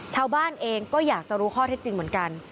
ชาวบ้านเองก็อยากจะรู้ข้อเท็จจริงเหมือนกัน